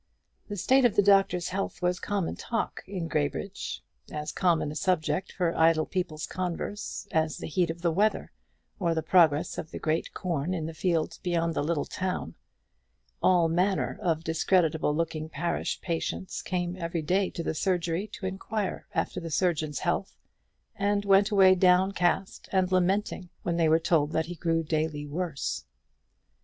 The state of the doctor's health was common talk in Graybridge; as common a subject for idle people's converse as the heat of the weather, or the progress of the green corn in the fields beyond the little town. All manner of discreditable looking parish patients came every day to the surgery door to inquire after the surgeon's health; and went away downcast and lamenting, when they were told that he grew daily worse.